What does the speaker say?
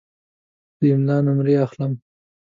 زه د املا نمرې اخلم.